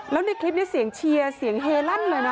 แล้วในคลิปนี้เสียงเชียร์เสียงเฮลั่นเลยนะ